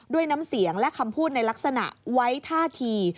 ด้วยน้ำเสียงและคำพูดในลักษณะไว้ท่าที